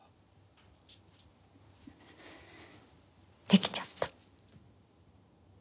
できちゃった。